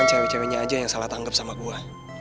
cuma cewek ceweknya aja yang salah tanggep sama gue